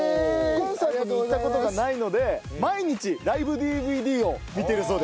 コンサートに行った事がないので毎日ライブＤＶＤを見ているそうです。